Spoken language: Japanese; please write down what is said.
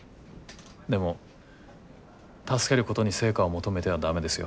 でも助けることに成果を求めては駄目ですよ。